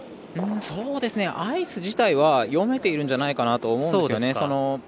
アイス自体は読めているんじゃないかなと思うんですよね。